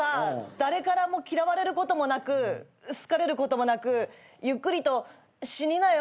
誰からも嫌われることもなく好かれることもなくゆっくりと死になよ。